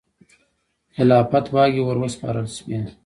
خلافت واګې وروسپارل شوې.